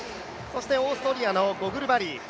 オーストラリアのゴグルバリ。